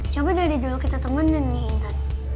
coba dari dulu kita temenin nih intan